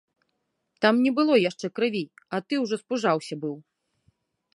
Там не было яшчэ крыві, а ты ўжо спужаўся быў.